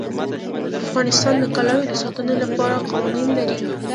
افغانستان د کلیو د ساتنې لپاره قوانین لري.